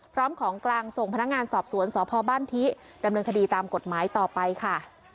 พร้อมของกลางส่งพนักงานสอบสวนสพบ้านทิดำเนินคดีตามกฎหมายต่อไปค่ะ